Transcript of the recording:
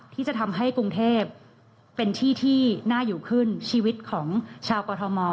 ที่จะทำให้กรุงเทพเป็นที่ที่น่าอยู่ขึ้นชีวิตของชาวกรทม